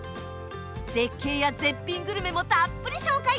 絶景や絶品グルメもたっぷり紹介。